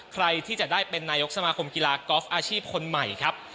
ใครที่จะได้เป็นนายกสมาคมกีฬากอล์ฟอาชีพคนใหม่ครับ